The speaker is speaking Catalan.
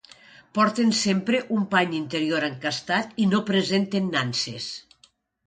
Porten sempre un pany interior encastat i no presenten nanses.